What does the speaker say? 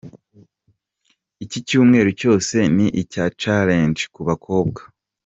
Iki cyumweru cyose ni icya challenges ku bakobwa.